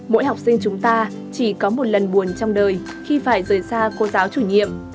mỗi học sinh chúng ta chỉ có một lần buồn trong đời khi phải rời xa cô giáo chủ nhiệm